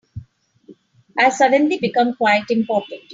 I've suddenly become quite important.